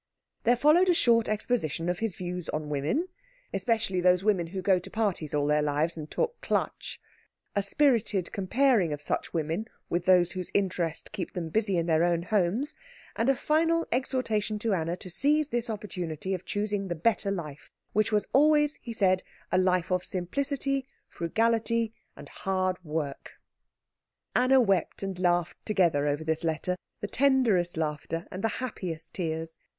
Then followed a short exposition of his views on women, especially those women who go to parties all their lives and talk Klatsch; a spirited comparing of such women with those whose interests keep them busy in their own homes; and a final exhortation to Anna to seize this opportunity of choosing the better life, which was always, he said, a life of simplicity, frugality, and hard work. Anna wept and laughed together over this letter the tenderest laughter and the happiest tears.